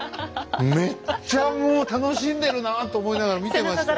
めっちゃもう楽しんでるなと思いながら見てましたけども。